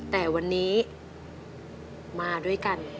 แต่วันนี้มาด้วยกัน